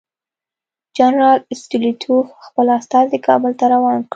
جنرال ستولیتوف خپل استازی کابل ته روان کړ.